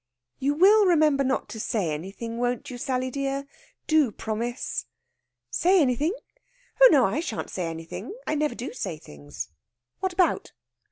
"You will remember not to say anything, won't you, Sally dear? Do promise." "Say anything? Oh no; I shan't say anything. I never do say things. What about?"